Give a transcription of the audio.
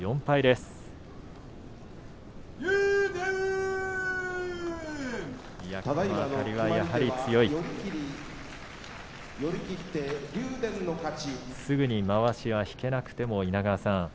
すぐにまわしを引けなくても稲川さん。